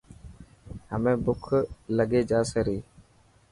همي بک لکي جاسي ري.